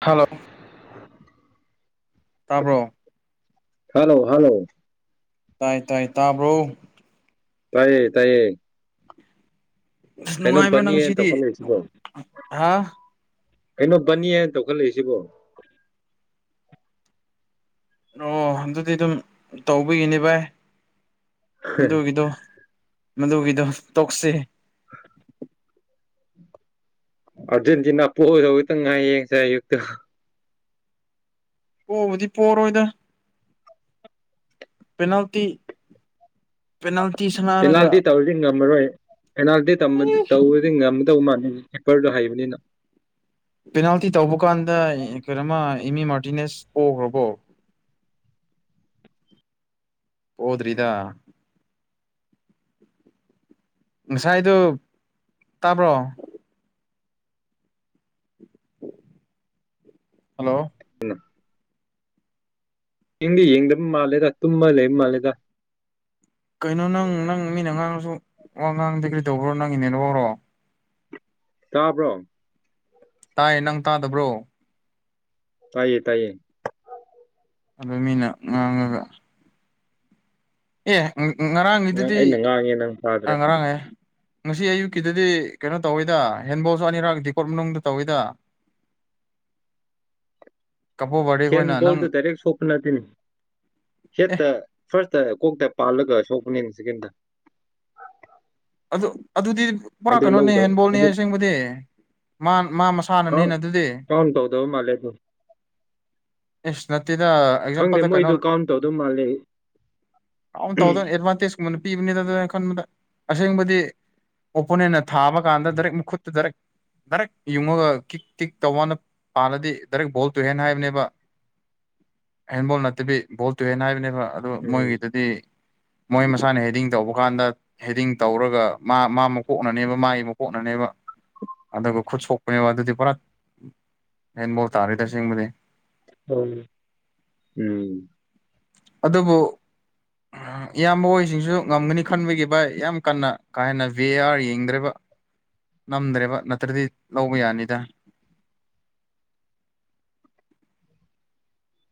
hello ꯇꯥꯕ꯭ꯔꯣ hello hello ꯇꯥꯏ ꯇꯥꯏ ꯇꯥꯕ꯭ꯔꯣ ꯇꯥꯏꯌꯦ ꯇꯥꯏꯌꯦ ꯑꯁ ꯀꯩꯅꯣꯝ ꯅꯨꯡꯉꯥꯏꯕ꯭ꯔꯣ ꯅꯪ ꯐꯅꯤꯅ ꯉꯁꯤꯗꯤ ꯇꯧꯈꯠꯂꯛꯏꯁꯤꯕꯣ ꯍꯥ ꯀꯩꯅꯣ ꯕꯅꯤ ꯍꯥꯏꯅ ꯇꯧꯈꯠꯂꯛꯏꯁꯤꯕꯣ ꯑꯣ ꯑꯗꯨꯗꯤ ꯑꯗꯨꯝ ꯇꯧꯕꯤꯒꯤꯅꯤ ꯚꯥꯏ ꯃꯗꯨꯒꯤꯗꯣ ꯃꯗꯨꯒꯤꯗꯣ ꯇꯣꯛꯁꯤ ꯑꯔꯖꯦꯟꯇꯤꯅꯥ ꯄꯣꯛꯑꯗꯧꯕꯛꯇꯪ ꯉꯥꯏ ꯌꯦꯡꯁꯦ ꯑꯌꯨꯛꯇ ꯄꯣꯕꯗꯤ ꯄꯣꯔꯣꯣꯏꯗ ꯄꯜꯇꯤ ꯄ ꯄꯦꯅꯥꯜꯇꯗꯤ ꯇꯧꯗꯤ ꯉꯝꯝꯕꯔꯣꯏ ꯑꯦꯅꯥꯜꯇꯤ ꯇꯧꯕꯗꯤ ꯉꯝꯃꯗꯧꯕ ꯃꯥꯂ ꯄꯦꯄꯔꯗꯣ ꯍꯩꯕꯅꯤꯅ ꯄꯦꯅꯥꯜꯇꯤ ꯇꯧꯕ ꯀꯥꯟꯗ ꯀꯩꯅꯣꯃ ꯏꯃꯤ ꯃꯥꯔꯇꯤꯅꯦꯁ ꯄꯣꯛꯈ꯭ꯔꯕꯣ ꯍꯗ꯭ꯔꯤꯗ ꯉꯁꯥꯏꯗꯨ ꯇꯥꯕ꯭ꯔꯣ ꯍꯜꯂꯣ [inaudible] ꯌꯦꯡꯗꯤ ꯌꯦꯡꯗꯕ ꯃꯥꯜꯂꯦꯗ ꯇꯨꯝꯃ ꯂꯩꯕ ꯃꯥꯜꯂꯦꯗ ꯀꯩꯅꯣ ꯅꯪ ꯅꯪ ꯃꯤꯅ ꯉꯥꯡꯉꯁꯨ ꯋꯥ ꯉꯥꯡꯗꯦ ꯀꯔꯤ ꯇꯧꯕ꯭ꯔꯣ ꯅꯪꯒꯤꯅꯦꯅ ꯐꯧꯔꯣ ꯇꯥꯞ꯭ꯔꯣ ꯇꯥꯏꯌꯦ ꯅꯪ ꯇꯥꯗꯕ꯭ꯔꯣ ꯇꯥꯏꯌꯦ ꯇꯥꯏꯌꯦ ꯑꯗ ꯃꯤꯅ ꯉꯥꯡꯉꯒ ꯑꯦ ꯅꯪ ꯉꯔꯥꯡꯒꯤꯗꯨꯗꯤ ꯑꯩꯅ ꯉꯥꯡꯉꯦ ꯅꯪ ꯑ ꯇꯥꯗ꯭ꯔꯦ ꯉꯔꯥꯡ ꯑ ꯉꯁꯤ ꯑꯌꯨꯛꯀꯤꯗꯨꯗꯤ ꯀꯩꯅꯣ ꯇꯧꯏꯤꯗ ꯍꯦꯟꯕꯣꯜꯁꯨ ꯑꯅꯤꯔꯛ ꯗꯤꯀꯣꯠ ꯃꯅꯨꯡꯗ ꯇꯧꯋꯤꯗ [inaudible] ꯕꯥꯔꯗꯦ ꯑꯩꯈꯣꯏꯅ ꯅꯪ ꯍꯦꯟꯕꯣꯜꯗꯨ ꯗꯥꯏꯔꯦꯛ ꯁꯣꯛꯄ ꯅꯠꯇꯅꯤ ꯑꯦ ꯍꯦꯠꯇ ꯐꯥꯔꯁꯇ ꯀꯣꯛꯇ ꯄꯜꯛ ꯁꯣꯄꯅꯤꯅꯤ ꯁꯤ ꯀꯦꯟꯗ ꯑꯗꯨ ꯑꯗꯨꯗꯤ ꯄꯨꯔꯥ ꯀꯩꯅꯣꯅꯦ ꯍꯦꯟꯕꯣꯜꯅꯦ ꯑꯗꯨ ꯑꯁꯦꯡꯕꯗꯤ ꯃꯥ ꯃꯥ ꯀꯥꯎꯟ ꯃꯁꯥꯅꯅꯤꯅ ꯑꯗꯨꯗꯤ ꯀꯥꯎꯟ ꯇꯧꯗꯕ ꯃꯥꯜꯂꯦ ꯑꯗꯨ ꯗ ꯈꯪꯗꯦ ꯑꯦꯛꯖꯥꯝꯄꯜꯗ ꯀꯩꯅꯣ ꯃꯣꯏꯗꯣ ꯀꯥꯎꯟ ꯇꯧꯗꯕ ꯃꯥꯜꯂꯦ ꯑꯟ ꯇꯥꯎꯗꯣ ꯑꯦꯗꯋꯥꯇꯦꯖ ꯀꯃ ꯄꯤꯅꯤꯗ ꯑꯗꯨ ꯈꯟꯕꯗ ꯑꯁꯦꯡꯕꯗꯤ ꯑꯣꯄꯣꯅꯦꯟꯅ ꯊꯥꯕ ꯀꯥꯟꯗ ꯗꯥꯏꯔꯦꯛ ꯃꯈꯨꯠꯇ ꯗꯥꯏꯦꯛ ꯗꯥꯏꯔꯦꯛ ꯌꯨꯡꯉꯒ ꯀꯤꯛ ꯇꯤꯛ ꯇꯧ ꯋꯥꯅ ꯄꯥꯜꯂꯗꯤ ꯗꯥꯏꯔꯦꯛ ꯚꯣꯜ ꯇꯨꯍꯦꯅ ꯍꯥꯏꯕꯅꯦꯕ ꯍꯦꯟꯦꯟꯕꯣꯜ ꯅꯠꯇꯕꯤ ꯣꯜ ꯇꯨ ꯍꯦꯟ ꯍꯥꯏꯕꯅꯦꯕ ꯑꯗꯨ ꯎꯝ ꯃꯣꯏꯒꯤꯗꯨꯗꯤ ꯃꯣꯏ ꯃꯁꯥꯅ ꯍꯦꯗꯤꯡ ꯇꯧꯕ ꯀꯥꯟꯗ ꯍꯦꯗꯤꯡ ꯇꯧꯔꯒ ꯃꯥ ꯃꯥ ꯃꯀꯣꯛꯅꯅꯦꯕ ꯃꯥꯒꯤ ꯃꯀꯣꯛꯅꯅꯦꯕ ꯑꯗꯨꯒ ꯈꯨꯠ ꯁꯣꯛꯄꯅꯦꯕ ꯑꯗꯨꯗꯤ ꯄꯨꯔꯥ ꯍꯦꯟꯐꯧ ꯇꯥꯔꯦ ꯇꯁꯦꯡꯕꯗꯤ ꯍ ꯎꯝ ꯑꯗꯨꯕꯨ ꯏꯌꯥꯝꯕ ꯍꯁꯤꯡꯁꯨ ꯉꯝꯒꯅꯤ ꯈꯟꯕꯒꯤ ꯚꯥꯏ ꯌꯥꯝ ꯀꯟꯅ ꯀꯥ ꯍꯦꯟꯅ ꯚꯦ ꯑꯥꯔ ꯌꯦꯡꯗ꯭ꯔꯦꯕ ꯅꯝꯗ꯭ꯔꯦꯕ ꯅꯠꯇ꯭ꯔꯗꯤ ꯂꯧꯕ ꯌꯥꯅꯤꯗ [inaudible]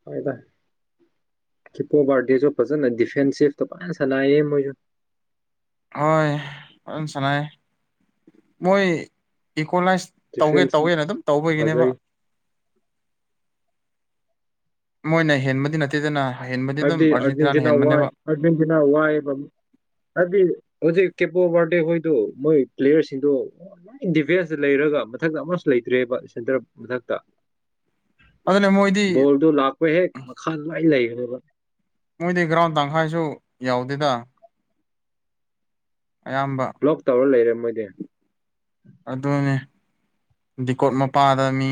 ꯍꯣꯏꯗ ꯀꯤꯞꯄꯣ ꯄꯥꯔꯇꯤꯁꯨ ꯐꯖꯅ ꯗꯤꯐꯦꯟꯁꯤꯞꯇ ꯐꯅ ꯁꯅꯥꯌꯦ ꯃꯣꯏꯁꯨ ꯍꯣꯏ ꯍ ꯁꯥꯏ ꯃꯣꯏ ꯀꯣꯂꯥꯏꯁ ꯇꯧꯒꯦ ꯗꯤꯐꯦꯟꯁꯁꯨ ꯇꯧꯒꯦꯅ ꯑꯗꯨꯝ ꯇꯧꯕꯒꯤꯅꯦꯕ ꯐꯖꯩ ꯃꯣꯏꯅ ꯍꯦꯟꯕꯗꯤ ꯅꯠꯇꯦꯗꯅ ꯍꯦꯟꯕꯗꯤ ꯑꯗꯨꯝ ꯍꯥꯏꯕꯗꯤ ꯑꯥꯔꯖꯦꯟꯇꯤꯅꯥꯅ ꯑꯔꯖꯦꯟꯇꯤꯅꯥ ꯋꯥꯏ ꯍꯦꯟꯕꯅꯦꯕ ꯑꯔꯖꯦꯟꯇꯤꯅꯥ ꯋꯥꯏ ꯍꯥꯏꯗꯤ ꯍꯧꯖꯤꯛ ꯀꯦꯄꯣ ꯋꯥꯔꯗꯦ ꯑꯣꯏꯣꯏꯗꯨ ꯃꯣꯏ ꯀꯂꯤꯌꯥꯔꯁꯤ ꯁꯤꯡꯗꯣ ꯂ ꯗꯤꯐꯦꯟꯁꯇ ꯂꯩꯔꯒ ꯃꯊꯛꯇ ꯑꯃ ꯂꯩꯇ꯭ꯔꯦꯕ ꯁꯦꯟꯇꯔ ꯃꯊꯛꯇ ꯑꯗꯨꯅ ꯃꯣꯏꯗꯤ ꯕꯜꯗꯣ ꯂꯥꯛꯄ ꯍꯦꯛ ꯃꯈꯥ ꯂꯥꯏ ꯂꯩꯒꯗꯕ ꯃꯣꯏꯗꯤ ꯒ꯭ꯔꯥꯎꯟ ꯇꯪꯈꯥꯏꯁꯨ ꯌꯥꯎꯗꯦꯗ ꯑꯌꯥꯝꯕ ꯕ꯭ꯂꯣꯛ ꯇꯧꯔ ꯂꯩꯔꯦ ꯃꯣꯏꯗꯤ ꯑꯗꯨꯅꯦ ꯗꯤꯀꯣꯠ ꯃꯄꯥꯗ ꯃꯤ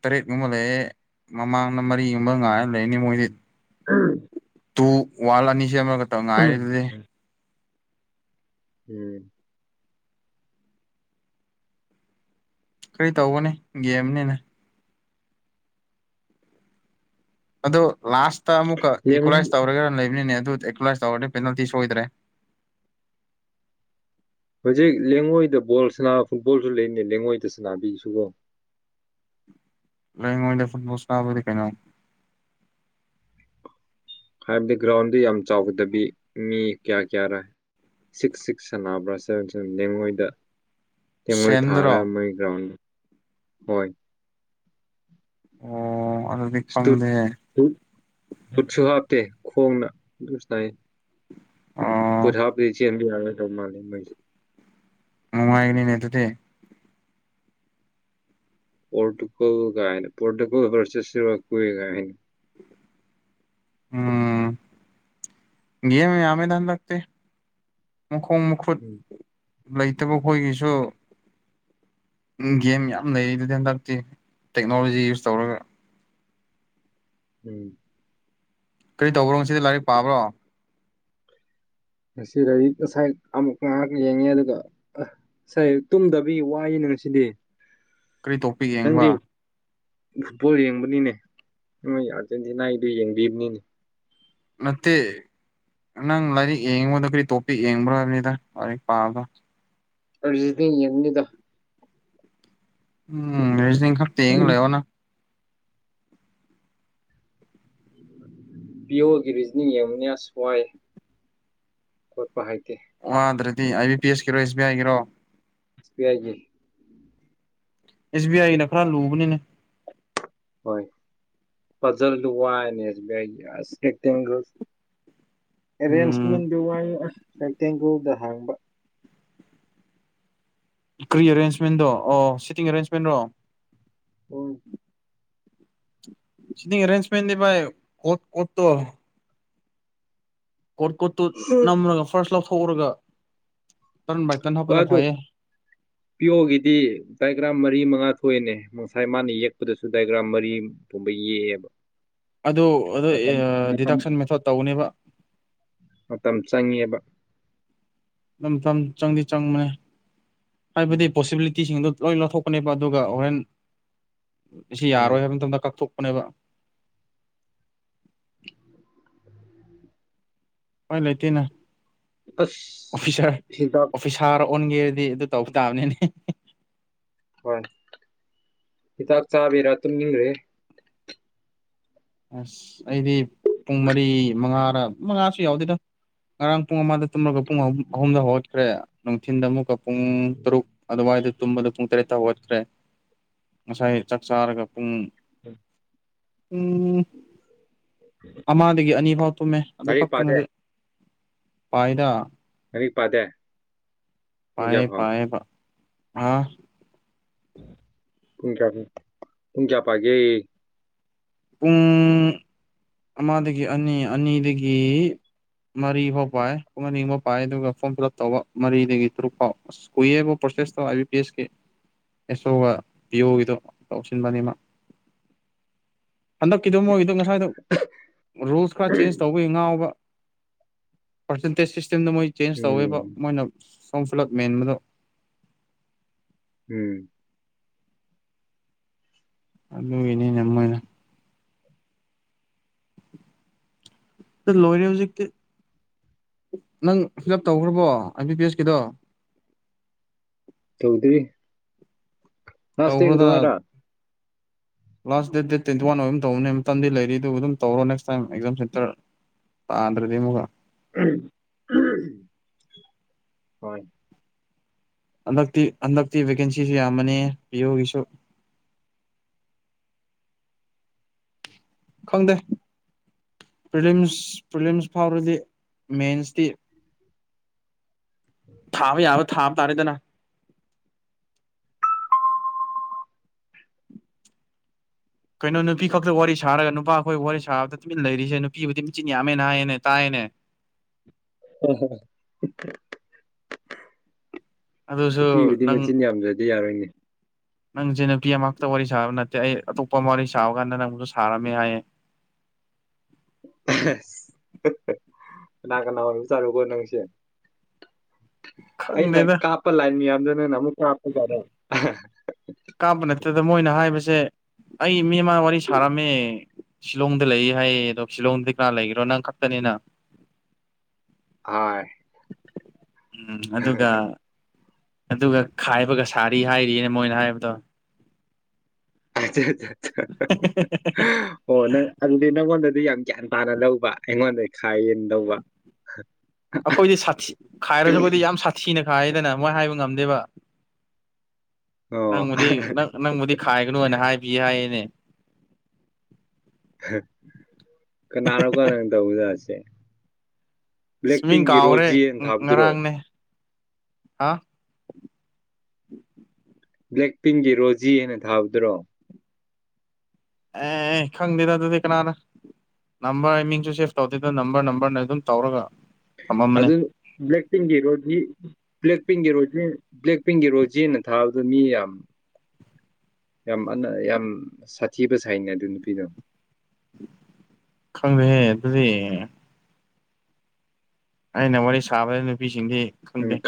ꯇꯔꯦꯠꯀꯨꯝꯕ ꯂꯩꯑꯦ ꯃꯃꯥꯡꯗ ꯃꯔꯤꯒꯨꯝꯕ ꯉꯥꯏꯔ ꯂꯩꯅꯤ ꯃꯣꯏꯗꯤ ꯑꯥ ꯇꯨ ꯋꯥꯟ ꯑꯅꯤ ꯁꯦꯝ ꯑꯃꯔꯒꯛꯇ ꯉꯥꯏꯔꯤꯗꯨꯗꯤ ꯎꯝ ꯀꯔꯤ ꯇꯧꯧꯕꯅꯤ ꯒꯦꯝꯅꯤꯅ ꯑꯣ ꯂꯥꯁꯇ ꯑꯃꯨꯛꯀ ꯂꯦꯡꯉꯣꯏ ꯏꯀ꯭ꯋꯥꯂꯥꯏꯁ ꯇꯧꯔꯒ ꯂꯩꯕꯅꯤꯅꯦ ꯑꯦ ꯀ꯭ꯂ꯭ꯂꯥꯁ ꯊꯋꯥꯔꯅꯤ ꯄꯦꯅꯥꯜꯇꯤ ꯁꯣꯏꯗ꯭ꯔꯦ ꯍꯧꯖꯤꯛ ꯂꯩꯦꯡꯉꯣꯏꯗ ꯕꯣꯜ ꯐꯨꯠꯕꯣꯜꯁꯨ ꯂꯩꯔꯤꯅꯦ ꯂꯩꯦꯡꯉꯣꯏꯗ ꯁꯅꯥꯕꯤꯁꯤꯀꯣ ꯂꯉꯣ ꯐꯨꯣꯁꯥꯕꯗꯤ ꯀꯩꯅꯣ ꯍꯥꯏꯕꯗꯤ ꯒ꯭ꯔꯥꯎꯟꯗꯤ ꯌꯥꯝ ꯆꯥꯎꯒꯗꯕꯤ ꯃꯤ ꯀꯌꯥ ꯀꯌꯥꯔ ꯁꯤꯛꯁ ꯁꯤꯛꯁ ꯁꯥꯟꯅꯕ꯭ꯔꯥ ꯁꯕꯦꯟ ꯁꯦꯟ ꯌꯦꯦꯡꯉꯣꯏꯗ ꯀ ꯃꯣꯏ ꯁꯦꯟꯗꯔꯣ ꯊꯔꯥ ꯃꯣꯏꯒ꯭ꯔꯥꯎ ꯍꯣꯏ ꯑꯣ ꯑꯗꯨꯗꯤ ꯈꯪꯗꯦ ꯈꯨꯠꯁꯨ ꯍꯥꯞꯇꯦ ꯈꯣꯡꯅ ꯑꯗꯨ ꯁꯅꯥꯏ ꯑꯣ ꯄꯨꯊꯥꯤꯁꯤꯕꯤ ꯌꯥꯦ ꯇ ꯃꯥ ꯃꯅꯨꯡꯉꯥꯏꯒꯅꯤ ꯅꯠꯇꯗꯤ ꯄꯣꯣꯔꯇꯨꯀꯣꯒꯥꯏꯅ ꯄꯣꯣꯔꯇꯨꯀꯣ ꯐꯔꯁ ꯁꯋꯥꯀꯨꯋꯒꯥꯏꯅꯤ ꯎꯝ ꯦ ꯑꯃꯤ ꯊꯥꯟ ꯂꯥꯛꯇ ꯃꯈꯣꯡ ꯃꯈꯨꯠ ꯎꯝ ꯂꯩꯇꯕ ꯑꯩꯈꯣꯏꯒꯤꯁꯨ ꯒꯦꯝ ꯌꯥꯝ ꯂꯩꯔꯤꯗꯨꯗꯤ ꯍꯟꯗꯛꯇꯤ ꯇꯦꯛꯅꯣꯂꯣꯖꯤ ꯌꯨꯁ ꯇꯧꯔꯒ ꯎꯝ ꯀꯔꯤ ꯇꯧꯕ꯭ꯔꯣꯁꯤꯗ ꯂꯥꯏꯔꯤꯛ ꯄꯥꯕ꯭ꯔꯣ ꯉꯁꯤ ꯂ ꯉꯁꯥꯏ ꯑꯃꯨꯛ ꯉꯥꯏꯍꯥꯛ ꯌꯦꯡꯉꯦ ꯑꯗꯨꯒ ꯑ ꯉꯁꯥꯏ ꯇꯨꯝꯗꯕꯤꯒꯤ ꯋꯥꯏꯅꯦ ꯁꯤ ꯀꯔꯤ ꯇꯣꯄꯤꯛ ꯌꯦꯡꯕ ꯐꯨꯠꯕꯣꯜ ꯌꯦꯡꯕꯅꯤꯅꯦ ꯅꯣꯏ ꯑꯥꯔꯖꯦꯟꯇꯤꯅꯥꯒꯤꯗꯨ ꯌꯦꯡꯕꯤꯕꯅꯤꯅꯦ ꯅꯠꯇꯦ ꯅꯪ ꯂꯥꯏꯔꯤꯛ ꯌꯦꯡꯉꯕꯗ ꯀꯔꯤ ꯇꯣꯄꯤꯛ ꯌꯦꯡꯕ꯭ꯔꯕꯅꯤꯗ ꯂꯥꯏꯔꯤꯛ ꯄꯥꯕꯗ ꯑꯔꯖꯤꯗꯤ ꯌꯦꯅꯤꯗ ꯎꯝ ꯔ ꯈ ꯌꯦ ꯎꯝ ꯂꯩꯣꯅ ꯕꯤꯌꯣꯒꯤ ꯔꯤꯖꯅꯤꯡ ꯌꯦꯡꯎꯨꯅꯤꯌꯥ ꯁꯋꯥꯏ ꯈꯣꯠꯄ ꯍꯥꯏꯗꯦ ꯋꯥꯗ꯭ꯔꯗꯤ ꯑꯥꯏ ꯕꯤ ꯄꯤ ꯑꯦꯁꯀꯤꯔꯣ ꯑꯦꯁ ꯕꯤ ꯑꯥꯏꯒꯤꯔꯣ ꯁꯄꯤꯤ ꯍꯥꯏꯒꯤꯦ ꯑꯦꯁꯕꯤ ꯑꯏ ꯂꯈꯔꯥ ꯂꯨꯕꯅꯦꯅꯦ ꯍꯣꯏ ꯐꯖꯜ ꯂꯨꯋꯥꯁ ꯏꯁꯀꯤꯇꯒ ꯎꯝ ꯑꯦꯔꯦꯟꯖꯃꯦꯟꯗꯨ ꯋꯥ ꯁꯇꯦꯡꯒꯧꯗ ꯍꯥꯡꯕ ꯀ꯭ꯔꯤ ꯑꯦꯔꯦꯟꯖꯃꯦꯟꯗꯣ ꯑꯣ ꯁꯤꯇꯤꯡ ꯑꯦꯔꯦꯟꯖꯃꯦꯟ ꯔꯣ ꯍ ꯁꯤ ꯑꯦꯔꯦꯟꯖꯃꯦꯟꯗꯤꯚꯥꯏ ꯀ ꯀꯣꯠꯇꯣ ꯀꯣꯠ ꯀꯣꯠꯇꯨ ꯍꯣꯏ ꯅꯝꯔꯒ ꯐꯥꯔꯁ ꯂꯧꯊꯣꯛꯎꯔꯒ ꯇꯔꯟ ꯕꯥꯏ ꯇꯔꯟ ꯋꯥ ꯍꯥꯞꯄꯅ ꯑꯗꯨ ꯐꯩꯌꯦ ꯄꯤꯌꯣꯒꯤꯗꯤ ꯗꯥꯏꯒ꯭ꯔꯥꯝ ꯃꯔꯤ ꯃꯉꯥ ꯊꯣꯏꯅꯦ ꯉꯁꯥꯏ ꯃꯥꯅ ꯌꯦꯛꯄꯗꯁꯨ ꯗꯥꯏꯒ꯭ꯔꯥꯝ ꯃꯔꯤꯒꯨꯝꯕ ꯌꯦꯛꯑꯦꯕ ꯑꯗꯨ ꯑꯗꯨꯣ ꯃꯇꯝ ꯃꯇꯝ ꯗꯤꯗꯛꯁꯟ ꯃꯦꯊꯣꯠ ꯇꯧꯅꯦꯕ ꯃꯇꯝ ꯆꯪꯉꯦꯕ ꯏꯝꯐꯝꯝ ꯆꯪꯗꯤ ꯆꯪꯕꯅꯦ ꯍꯥꯏꯕꯗꯤ ꯎꯝ ꯄꯣꯁꯤꯕꯤꯂꯤꯇꯤꯁꯤꯡꯗꯣ ꯂꯣꯏ ꯂꯧꯊꯣꯛꯄꯅꯦꯕ ꯑꯗꯨꯒ ꯍꯣꯔꯦꯟ ꯁꯤ ꯎꯝ ꯌꯥꯔꯣꯏ ꯍꯥꯏꯕ ꯃꯇꯝꯗ ꯀꯛꯊꯣꯛ ꯃꯕ ꯍꯣꯏ ꯂꯩꯇꯦꯅ ꯑꯁ ꯑꯣꯐꯤꯁꯥꯔ ꯍꯤꯗꯥꯛ ꯑꯣꯐꯤꯁꯥꯔ ꯑꯣꯟꯒꯦꯔꯗꯤ ꯑꯗꯨ ꯇꯧꯕ ꯇꯥꯕꯅꯤꯅꯦ ꯋꯥ ꯍꯤꯗꯥꯛ ꯆꯥꯕꯔꯥꯠꯇꯝ ꯅꯤꯡ꯭ꯔꯦ ꯑꯁ ꯑꯩꯗꯤ ꯄꯨꯡ ꯃꯔꯤ ꯃꯉꯥꯔ ꯃꯉꯥꯁꯨ ꯌꯥꯎꯗꯦꯗ ꯉꯔꯥꯡ ꯄꯨꯡ ꯑꯃꯗ ꯇꯨꯝꯂꯒ ꯄꯨꯡ ꯑꯍꯨꯝ ꯑꯍꯨꯝꯗ ꯍꯧꯒꯠꯈ꯭ꯔꯦ ꯅꯨꯡꯊꯤꯟꯗ ꯑꯃꯨꯛꯀ ꯄꯨꯡ ꯇꯔꯨꯛ ꯑꯗꯨꯋꯥꯏꯗ ꯇꯨꯝꯕꯗ ꯄꯨꯡ ꯇꯔꯦꯠꯇ ꯋꯥꯠꯈ꯭ꯔꯦ ꯉꯁꯥꯏ ꯆꯥꯛ ꯆꯥꯔꯒ ꯄꯨꯡ ꯎꯝ ꯎꯝ ꯑꯃꯗꯒꯤ ꯑꯅꯤ ꯐꯥꯎ ꯇꯨꯝꯃꯦ ꯑꯗꯨ ꯂꯥꯏꯔꯤꯛ ꯈꯛꯇꯪ ꯄꯥꯗꯦ ꯉꯁꯦ ꯐꯥꯏꯗ ꯑꯔꯤ ꯄꯥꯗ ꯄꯌꯦ ꯄꯌꯦ ꯄ ꯑꯥ ꯄꯨꯨꯡ ꯄꯨꯨꯡ ꯆꯥꯄꯥꯒꯦ ꯄꯨꯡ ꯑꯃꯗꯒꯤ ꯑꯅꯤ ꯑꯅꯤꯗꯒꯤ ꯃꯔꯤꯐꯥꯎ ꯄꯥꯏ ꯄꯨꯡ ꯑꯅꯤ ꯐꯥꯎ ꯄꯥꯏ ꯑꯗꯨꯒ ꯐꯣꯔꯝ ꯐꯤꯜ ꯑꯞ ꯇꯧꯕ ꯃꯔꯤꯗꯒꯤ ꯇꯔꯨꯛ ꯐꯥꯎ ꯑꯁ ꯀꯨꯏꯑꯦꯕ ꯄ꯭ꯔꯣꯁꯦꯁ ꯑꯦꯁꯣ ꯑꯥꯏ ꯕꯤ ꯄꯤ ꯑꯦꯁ ꯀ ꯑꯦꯁꯣꯒ ꯄꯤꯌꯣꯒꯤꯗꯣ ꯇꯧꯁꯤꯟꯕꯅꯤꯃ ꯍꯟꯗꯛꯀꯤꯗ ꯃꯣꯏꯒꯤꯗꯣ ꯉꯁꯥꯏꯗ ꯔꯨꯜꯁ ꯈꯔ ꯆꯦꯟꯖ ꯇꯧꯕꯒꯤ ꯉꯥꯎ ꯄꯥꯔꯁꯦꯟꯇꯦꯖ ꯁꯤꯁꯇꯦꯝꯗ ꯃꯣꯏ ꯆꯦꯟꯖ ꯇꯧꯋꯦꯕ ꯃꯣꯏꯅ ꯐ ꯐ꯭ꯂꯞ ꯃꯦꯟꯕꯗꯣ ꯎꯝ ꯑꯗ ꯏꯅꯦ ꯅꯃꯅ ꯂꯣꯏꯔꯦ ꯍꯧꯖꯤꯛꯇꯤ ꯅꯪ ꯐꯤꯜ ꯑꯞ ꯇꯧꯈ꯭ꯔꯕꯣ ꯑꯦꯝ ꯕꯤ ꯄꯤ ꯑꯦꯁ ꯀꯗꯣ ꯆꯧꯗꯔꯤ ꯅꯁꯇ ꯀ ꯇꯧꯈ꯭ꯔꯣꯗꯅ ꯇꯨꯝꯃꯔ last date date twenty one ꯑꯣꯏꯕꯝ ꯇꯧꯕꯅꯦ ꯃꯇꯝꯗꯤ ꯂꯩꯔꯤ ꯑꯗꯨꯒ ꯑꯗꯨꯝ ꯇꯧꯔꯣ ꯅꯦꯛꯁ ꯇꯥꯏꯝ ꯑꯦꯛꯖꯥꯝ ꯁꯦꯟꯇꯔ ꯇꯥꯗ꯭ꯔꯗꯤꯃꯒ ꯍꯣꯏ ꯍꯟꯗꯛꯇꯤ ꯍꯟꯗꯛꯇꯤ ꯚꯦꯀꯦꯟꯁꯤꯁꯨ ꯌꯥꯝꯃꯅꯤ ꯄꯤꯌꯨꯒꯤꯁꯨ ꯈꯪꯗꯦ ꯄ꯭ꯔꯤꯝꯁ ꯄ꯭ꯔꯤꯂꯤꯝꯁ ꯐꯥꯎꯔꯗꯤ ꯃꯦꯟꯁꯇꯤ ꯊꯥꯕ ꯌꯥꯕ ꯊꯥꯕ ꯇꯥꯔꯦꯗꯅ ꯀꯩꯅꯣ ꯅꯨꯄꯤ ꯈꯛꯇ ꯋꯥꯔꯤ ꯁꯥꯔꯒ ꯅꯨꯄꯥꯈꯣꯏ ꯋꯥꯔꯤ ꯁꯥꯕꯗ ꯇꯨꯃꯤꯟꯅ ꯂꯩꯔꯤꯁꯦ ꯅꯨꯄꯤꯕꯨꯗꯤ ꯃꯦꯆꯤꯟ ꯌꯥꯝꯃꯦꯅ ꯍꯥꯏꯌꯦꯅꯦ ꯇꯥꯏꯌꯦꯅꯦ [inaudible] ꯑ ꯍ ꯑꯗꯨꯁꯨ ꯅꯨꯄꯤꯕꯨꯗꯤ ꯅꯪ ꯃꯆꯤꯟ ꯌꯥꯝꯗ꯭ꯔꯗꯤ ꯌꯥꯔꯣꯏꯅꯦ ꯅꯪꯁꯦ ꯅꯨꯄꯤ ꯑꯃꯛꯇ ꯋꯥꯔꯤ ꯁꯥꯕ ꯅꯠꯇꯦ ꯑꯩ ꯑꯇꯣꯞꯄ ꯑꯃ ꯋꯥꯔꯤ ꯁꯥꯕ ꯀꯥꯟꯗ ꯅꯪꯁꯨ ꯁꯥꯔꯝꯃꯦ ꯍꯥꯏꯌꯦ [inaudible] ꯀꯅꯥ ꯀꯅꯥ ꯑꯣꯏꯕꯨ ꯆꯥꯔꯂꯨ ꯀꯣ ꯅꯪꯁꯦ ꯑꯩꯅ ꯈꯪꯗꯦꯗ ꯀꯥꯞꯄ ꯂꯥꯏꯟ ꯃꯌꯥꯝꯗꯨ ꯅꯅ ꯑꯃꯨꯛ ꯀꯥꯞꯄ ꯖꯥꯠꯔꯣ ꯀꯥꯞꯄ ꯅꯠꯇꯗ ꯃꯣꯏꯅ ꯍꯥꯏꯁ ꯁꯦ ꯑꯩ ꯃꯤꯃ ꯋꯥꯔꯤ ꯁꯥꯔꯝꯃꯦ ꯁꯤꯂꯣꯡꯗ ꯂꯩ ꯍꯥꯏꯌꯦ ꯑꯗꯣ ꯁꯤꯂꯣꯡꯗꯗꯤ ꯀꯅꯥ ꯂꯩꯒꯔꯣ ꯅꯪ ꯈꯛꯇꯅꯤꯅ ꯍꯣꯏ ꯎꯝ ꯑꯗꯨꯒ ꯑꯗꯨꯒ ꯈꯥꯏꯕꯒ ꯁꯥꯔꯤ ꯍꯥꯏꯔꯤꯅ ꯃꯣꯏꯅ ꯍꯥꯏꯕꯗꯣ ꯑꯣ ꯅꯪ ꯑꯅ ꯑꯗꯨ ꯌꯥꯝ ꯒ꯭ꯌꯥꯟ ꯇꯥꯅ ꯂꯧꯕ ꯑꯩꯉꯣꯟꯗ ꯈꯥ ꯌꯦꯟ ꯂꯧꯕ ꯑꯩꯈꯣꯏꯗꯤ ꯁꯥꯊꯤ ꯈꯥꯏꯔꯁꯨ ꯑꯩꯈꯣꯏꯗꯤ ꯌꯥꯝ ꯁꯥꯊꯤꯅ ꯈꯥꯏꯗꯅ ꯃꯣꯏ ꯍꯥꯏꯕ ꯉꯝꯗꯦꯕ ꯑꯣ ꯅꯪꯕꯨꯗꯤ ꯅꯪ ꯅꯪꯕꯨꯗꯤ ꯈꯥꯏꯒꯅꯨꯅ ꯍꯥꯏꯕꯤ ꯍꯥꯏꯌꯦꯅꯦ ꯀꯅꯥꯅꯣꯀꯣ ꯅꯪ ꯇꯧꯕꯖꯥꯠꯁꯦ ꯕ꯭ꯂꯦꯛ ꯃꯤꯡ ꯄꯤꯡꯒꯤ ꯀꯥꯎꯈ꯭ꯔꯦ ꯔꯣꯖꯤꯅ ꯊꯥꯕꯗꯨꯔꯣ ꯉꯔꯥꯡꯅꯦ ꯍꯥ ꯕ꯭ꯂꯦꯛ ꯄꯤꯟꯒꯤ ꯔꯣꯖꯤ ꯍꯥꯏꯅ ꯊꯥꯕꯗ꯭ꯔꯣ ꯑꯦ ꯈꯪꯗꯗ ꯑꯗꯨꯗ ꯀꯅꯥꯅ ꯅꯝꯕꯔ ꯑꯩ ꯃꯤꯡꯁꯨ ꯁꯦꯚ ꯇꯧꯗꯦꯗ ꯅꯝꯕꯔ ꯅꯝꯕꯔꯅ ꯑꯗꯨꯝ ꯇꯧꯔꯒ ꯊꯝꯃꯝꯕꯅꯦ ꯑꯗ ꯕ꯭ꯂ ꯄꯤꯟꯛ ꯔꯣꯖꯤꯗꯤ ꯕ꯭ꯂꯦꯛ ꯄꯤꯡꯒꯤ ꯔꯣꯖꯤ ꯕ꯭ꯂꯦꯛ ꯄꯤꯡꯒꯤ ꯔꯣꯖꯤꯅ ꯊꯥꯕꯗ ꯃꯤ ꯌꯥꯝ ꯌꯥꯝ ꯑ ꯌꯥꯝ ꯁꯥꯊꯤꯕ ꯁꯥꯏꯅꯦ ꯑꯗꯨ ꯅꯨꯄꯤꯗꯣ ꯈꯪꯗ ꯍꯦ ꯑꯗꯨꯗꯤ ꯑ ꯅ ꯋꯥꯔꯤ ꯁꯥꯕ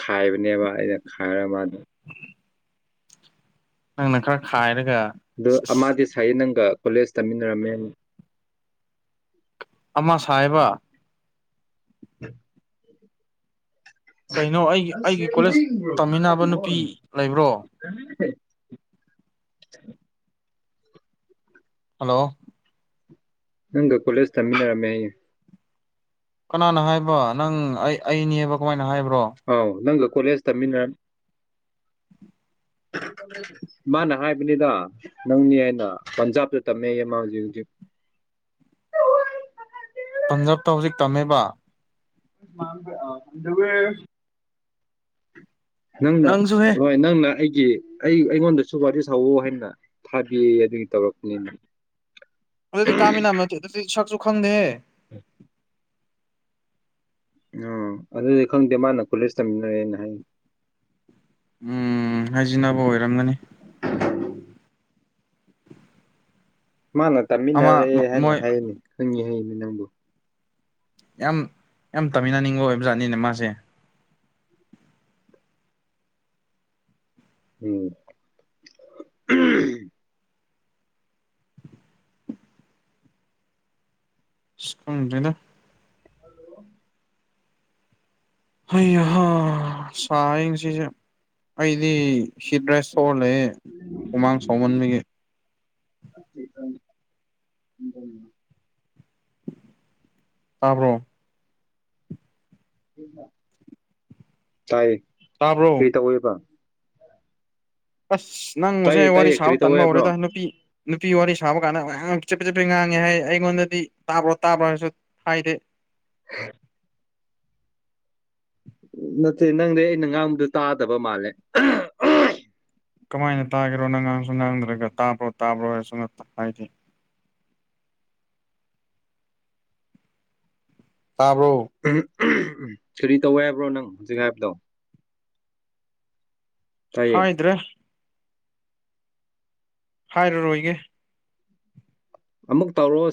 ꯈꯥꯏꯕꯅꯦꯕ ꯑꯩꯅ ꯈꯥꯏꯔ ꯃꯥꯗ ꯅꯪꯅ ꯈꯔ ꯈꯥꯏꯔꯦ ꯑ ꯑꯃꯗꯤꯗꯤ ꯁꯥꯏꯌꯦ ꯅꯪꯒ ꯀꯣꯂꯦꯖ ꯇꯝꯃꯤꯟꯅꯔꯝꯃꯦ ꯑꯃ ꯁꯥ ꯍꯥꯏꯕ [inaudible] [inaudible] ꯀꯩꯅꯣ ꯑꯩꯒꯤ ꯑꯩꯒꯤ ꯀꯣꯂꯦꯖ ꯇꯝꯃꯤꯟꯅꯕ ꯅꯨꯄꯤ ꯂꯩꯕ꯭ꯔꯣ [inaudible] [inaudible] ꯍꯜꯂꯣ ꯅꯪꯒ ꯀꯣꯂꯦꯖ ꯇꯝꯃꯤꯟꯅꯔꯝꯃꯦꯌꯦ ꯀꯅꯥꯅ ꯍꯥꯏꯕ ꯅꯪ ꯑꯩ ꯑꯩꯅꯦꯕ ꯀꯃꯥꯏ ꯑꯥꯎ ꯅꯪꯒ ꯀꯣꯂꯦꯖ ꯇꯝꯃꯤꯟꯅꯔ ꯃꯥꯅ ꯍꯥꯏꯕꯅꯤꯗ ꯅꯪꯅꯤ ꯑꯩꯅ ꯄꯟꯖꯥꯕꯇ ꯇꯝꯃꯦꯌꯦꯃ ꯍꯧꯖꯤꯛ ꯍꯧꯖꯤꯛ ꯄꯟꯖꯥꯕꯇ ꯍꯧꯖꯤꯛ ꯇꯝꯃꯦꯕ ꯃꯥꯥꯡꯗꯣꯏ [unintelligible] ꯅꯪꯅ ꯅꯪꯁꯨꯍꯦ ꯍꯣꯏ ꯅꯪꯅ ꯑꯩꯒꯤ ꯑꯩ ꯑꯩꯉꯣꯟꯗꯁꯨꯨ ꯋꯥꯔꯤ ꯁꯥꯎꯋ ꯍꯥꯏꯅ ꯊꯥꯕꯤ ꯑꯗꯨꯒꯤ ꯇꯧꯔꯛꯄꯅꯦ ꯗꯤ ꯀꯃꯤꯅꯥꯝ ꯅꯠꯇꯦꯗꯤ ꯁꯛꯁꯨ ꯈꯪꯗꯦ ꯎꯝ ꯎꯥ ꯑꯗꯨꯗꯤ ꯈꯪꯗꯦ ꯃꯥꯅ ꯀꯣꯂꯦꯖ ꯇꯝꯃꯤꯟꯅꯔꯦꯅ ꯍꯥꯏ ꯎꯝ ꯍꯥꯏꯖꯤꯕ ꯑꯣꯏꯔꯝꯒꯅꯤ ꯃꯥꯅ ꯑꯃ ꯇꯥꯃꯤꯟꯅꯔꯦ ꯍꯥꯏꯅ ꯃꯣꯏ ꯍꯥꯏꯔꯤꯅꯤ ꯈꯪꯉꯤ ꯍꯪꯤꯅꯤ ꯅꯪꯕꯨ ꯌꯥꯝ ꯌꯥꯝ ꯇꯥꯃꯤꯟꯅꯅꯤꯡꯕ ꯑꯣꯏꯕ ꯖꯥꯠꯅꯤꯅꯦ ꯃꯥꯁꯦ ꯎꯝ ꯑꯁ ꯈꯪꯗꯔꯦꯗꯥ ꯍꯜꯂꯣ ꯍ ꯑꯍ ꯁꯥꯡꯁꯤꯁꯦ ꯑꯩꯗꯤ ꯍꯠ ꯔꯥꯏꯁ ꯏꯁꯣꯔ ꯂꯩ ꯍꯨꯃꯥꯡ ꯆꯥꯎꯃꯟꯕꯒꯤ ꯑꯇꯩ ꯑꯗ ꯇꯥꯕ꯭ꯔꯦ ꯇꯥꯏ ꯇꯥꯕ꯭ꯔꯣ ꯀꯩ ꯇꯧꯋꯦꯕ ꯑꯁ ꯅꯪ ꯇꯥꯏꯌꯦ ꯉꯁꯥꯏ ꯋꯥꯔꯤ ꯇꯥꯏꯌꯦ ꯀꯔꯤ ꯁꯥꯕ ꯇꯧꯋꯦ ꯇꯟꯕ ꯍꯥꯏꯕ꯭ꯔꯣ ꯍꯧꯔꯦꯗ ꯅꯨꯄꯤ ꯅꯨꯄꯤ ꯋꯥꯔꯤ ꯁꯥꯕ ꯀꯥꯟꯗ ꯃ ꯆꯤꯠꯄꯦ ꯆꯠꯄꯦ ꯉꯥꯡꯉꯦ ꯍꯥꯏ ꯑꯩꯉꯣꯟꯗꯗꯤ ꯇꯥꯕ꯭ꯔꯣ ꯇꯥꯕ꯭ꯔꯥ ꯍꯥꯏꯁꯨ ꯍꯥꯏꯥꯏꯗꯦ [inaudible] ꯅꯠꯇꯦ ꯅꯪꯗꯤ ꯑꯩꯅ ꯉꯥꯡꯕꯗ ꯇꯥꯗꯕ ꯃꯥꯜꯂꯦ ꯀꯃꯥꯏꯅ ꯇꯥꯒꯔꯣ ꯅꯉꯥꯡꯁꯨ ꯅꯥꯡꯗ꯭ꯔꯒ ꯇꯥꯕ꯭ꯔꯣ ꯇꯥꯕ꯭ꯔꯣ ꯍꯥꯏꯁ ꯍꯥꯏꯗꯤ [inaudible] ꯇꯥꯔꯨ ꯎꯝ ꯁꯤꯔꯤ ꯇꯧ ꯍꯥꯏꯕ꯭ꯔꯣ ꯅꯪ ꯍꯧꯖꯤꯛ ꯍꯥꯏꯕꯗꯣ ꯇꯥꯏꯌꯦ ꯍꯥꯎꯗ꯭ꯔꯦ ꯍꯥꯏꯔꯔꯣꯏꯒꯦ ꯑꯃꯨꯛ ꯇꯧꯔꯣ